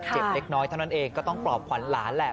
เล็กน้อยเท่านั้นเองก็ต้องปลอบขวัญหลานแหละ